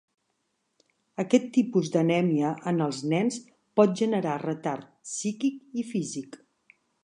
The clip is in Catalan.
Aquest tipus d'anèmia en els nens pot generar retard psíquic i físic.